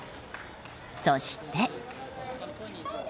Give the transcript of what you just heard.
そして。